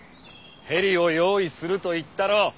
ヘリを用意すると言ったろう。